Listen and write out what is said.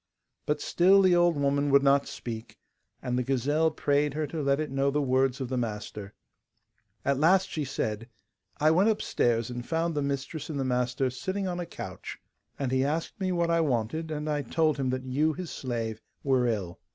But still the old woman would not speak, and the gazelle prayed her to let it know the words of the master. At last she said: 'I went upstairs and found the mistress and the master sitting on a couch, and he asked me what I wanted, and I told him that you, his slave, were ill.